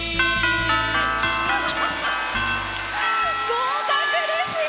合格ですよ！